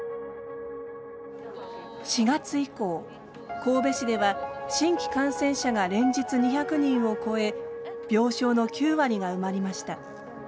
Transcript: ４月以降神戸市では新規感染者が連日２００人を超え病床の９割が埋まりました。